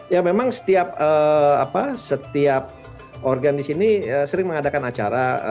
ya memang setiap organ di sini sering mengadakan acara